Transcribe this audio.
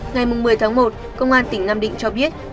ngày một mươi tháng một công an tỉnh nam định cho biết